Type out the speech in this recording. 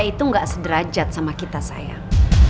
dia itu gak sederajat sama kita sayang